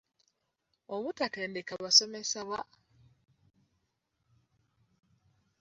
Obutatendeka basomesa ba